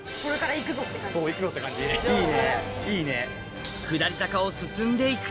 行くぞって感じいいねいいね。